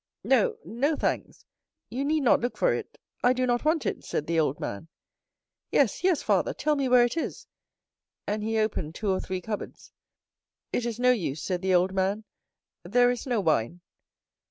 "No, no; thanks. You need not look for it; I do not want it," said the old man. "Yes, yes, father, tell me where it is," and he opened two or three cupboards. "It is no use," said the old man, "there is no wine."